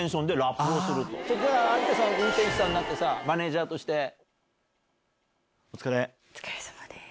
マネージャーとして。